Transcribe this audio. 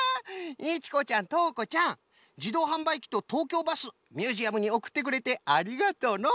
いちこちゃんとうこちゃんじどうはんばいきととうきょうバスミュージアムにおくってくれてありがとうのう。